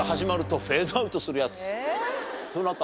どなた？